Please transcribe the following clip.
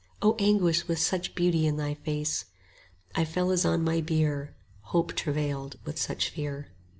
O anguish with such beauty in thy face! I fell as on my bier, Hope travailed with such fear.